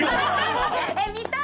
見たい！